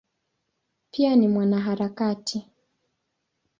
Pia ni mwanaharakati.